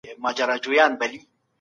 روښانه فکر ستړیا نه راوړي.